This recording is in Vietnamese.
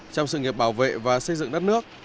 trong sự nghiệp bảo vệ và xây dựng đất nước